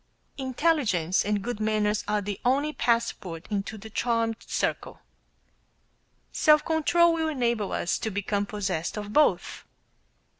Intelligence and good manners are the only passport into the charmed circle. Self control will enable us to become possessed of both.